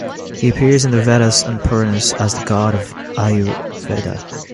He appears in the "Vedas" and "Puranas" as the the god of Ayurveda.